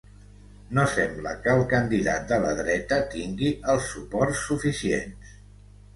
No sembla que el candidat de la dreta tingui els suports suficients